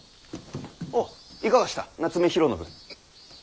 おういかがした夏目広信。